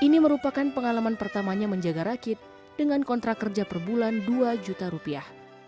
ini merupakan pengalaman pertamanya menjaga rakit dengan kontrak kerja per bulan dua juta rupiah